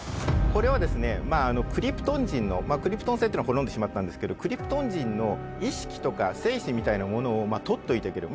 これはですねクリプトン人のまあクリプトン星というのは滅んでしまったんですけどクリプトン人の意識とか精神みたいなものを取っておいておける。